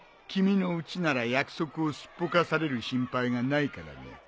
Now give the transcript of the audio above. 君のうちなら約束をすっぽかされる心配がないからね。